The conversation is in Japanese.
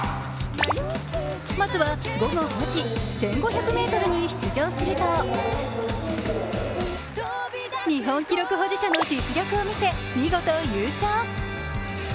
まずは午後５時、１５００ｍに出場すると日本記録保持者の実力を見せ、見事優勝。